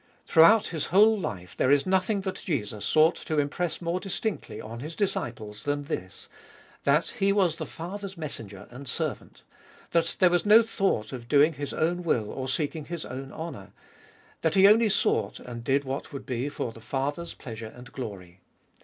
Throughout His whole life there is nothing that Jesus sought to impress more distinctly on His disciples than this, that He was the Father's messenger and servant ; that there was no thought of doing His own will or seeking His own honour ; that He only sought and did what Cbe Doliest of ail would be for the Father's pleasure and glory.